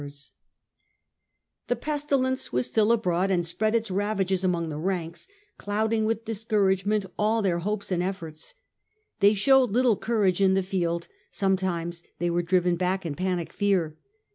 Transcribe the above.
* f47 i?^o Marcus Aurelius Antoninus, lOi The pestilence was still abroad, and spread its ravages among the ranks, clouding with discouragement all their hopes and efTorts. They showed little courage in the field ; sometimes they were driven back in panic fear.